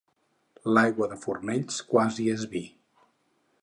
L'aigua de Fornells quasi és vi.